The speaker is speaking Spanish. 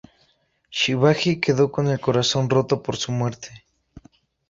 Shivaji quedó con el corazón roto por su muerte.